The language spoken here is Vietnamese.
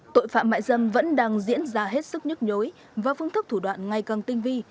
tội phạm mại dâm vẫn đang diễn ra hết sức nhức nhối và phương thức thủ đoạn ngày càng tinh vi